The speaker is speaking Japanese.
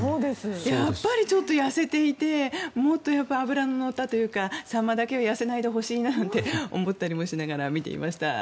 やっぱり痩せていてもっと脂の乗ったというかサンマだけは痩せないでほしいななんて思ったりもしながら見ていました。